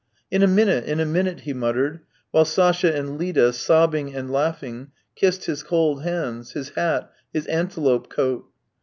" In a minute, in a minute," he muttered, while Sasha and Lida, sobbing and laughing, kissed his cold hands, his hat, his antelope coat.